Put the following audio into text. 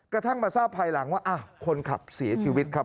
กระทั่งมาทราบภายหลังว่าคนขับเสียชีวิตครับ